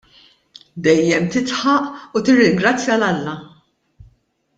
Dejjem tidħak u tirringrazzja 'l Alla.